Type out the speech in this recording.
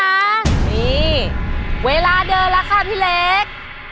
นี่เวลาเดินแล้วค่ะพี่เล็ก